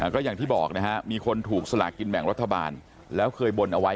ก็อย่างที่บอกนะฮะมีคนถูกสลากินแบ่งรัฐบาลแล้วเคยบนเอาไว้